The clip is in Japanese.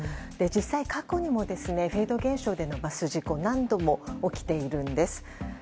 実際に過去にもフェード現象でのバス事故は何度も起きているんです。